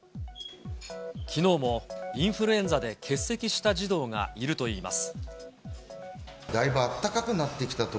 きのうもインフルエンザで欠席した児童がいるといいます。